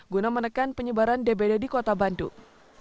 guna menekan penyebaran dbd di kota bandung